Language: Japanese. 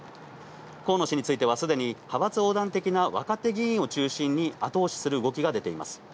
河野氏については、すでに派閥横断的な若手議員を中心に後押しする動きが出ています。